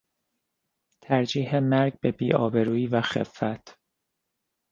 ترجیح مرگ به بی آبرویی و خفت